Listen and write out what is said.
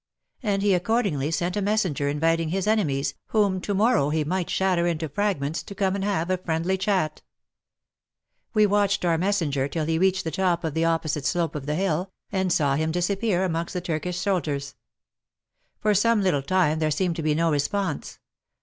And he accordingly sent a messenger inviting his enemies, whom to morrow he might shatter into fragments, to come and have a friendly chat ! We watched our messenger till he reached the top of the opposite slope of the hill, and saw him disappear amongst the Turkish soldiers. For some little time there seemed to be no response.